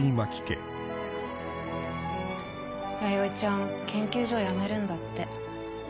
弥生ちゃん研究所辞めるんだって。